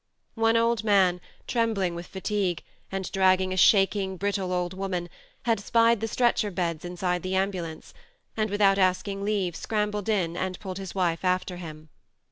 One old man, trembling with fatigue, and dragging a shaking brittle old woman, had spied the stretcher beds inside the ambulance, and without ask ing leave scrambled in and pulled his wife after him.